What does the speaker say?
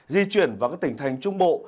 di chuyển vào các tỉnh thành trung bộ